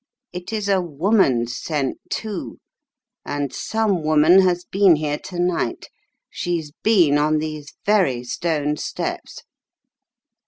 It is a woman's scent, too, and some woman has been here to night. She's been on these very stone steps."